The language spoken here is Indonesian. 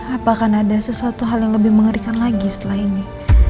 apakah ada sesuatu hal yang lebih mengerikan lagi setelah ini